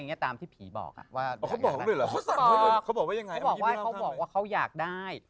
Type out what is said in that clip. เขาบอกว่าเค้าอยากได้